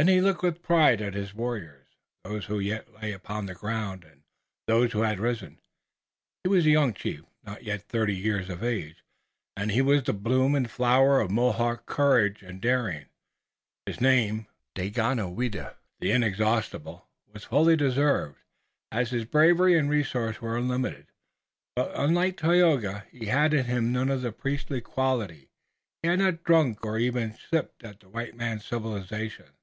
Then he looked with pride at his warriors, those who yet lay upon the ground and those who had arisen. He was a young chief, not yet thirty years of age, and he was the bloom and flower of Mohawk courage and daring. His name, Daganoweda, the Inexhaustible, was fully deserved, as his bravery and resource were unlimited. But unlike Tayoga, he had in him none of the priestly quality. He had not drunk or even sipped at the white man's civilization.